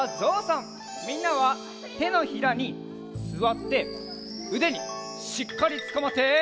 みんなはてのひらにすわってうでにしっかりつかまって。